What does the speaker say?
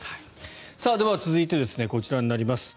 では、続いてこちらになります。